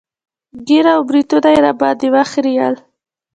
ږيره او برېتونه يې راباندې وخرييل.